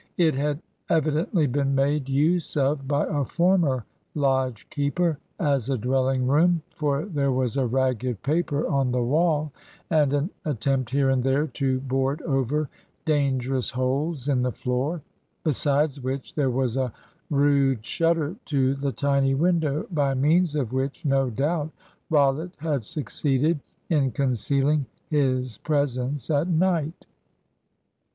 It had evidently been made use of by a former lodge keeper as a dwelling room, for there was a ragged paper on the wall, and an attempt here and there to board over dangerous holes in the floor. Besides which there was a rude shutter to the tiny window, by means of which no doubt Rollitt had succeeded in concealing his presence at night.